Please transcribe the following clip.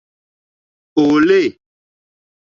Òòle.